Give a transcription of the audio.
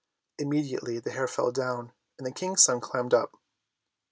Immediately the hair fell down and the King's son climbed up.